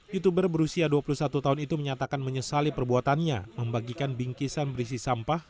youtuber berusia dua puluh satu tahun itu menyatakan menyesali perbuatannya membagikan bingkisan berisi sampah